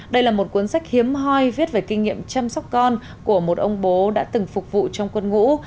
đây là một cuốn sách hiếm hoi viết về kinh nghiệm chăm sóc con của một ông bố đã từng phục vụ trong quân ngũ